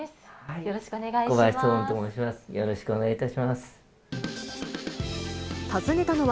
よろしくお願いします。